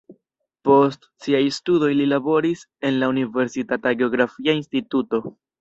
Post siaj studoj li laboris en la universitata geografia instituto.